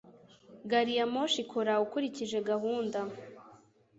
Gariyamoshi ikora ukurikije gahunda.